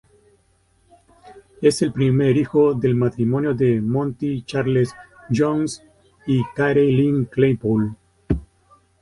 Es el primer hijo del matrimonio de Monty Charles Jones y Carey Lynn Claypool.